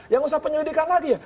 yang usah penyelidikan lagi ya